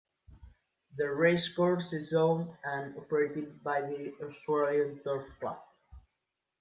The racecourse is owned and operated by the Australian Turf Club.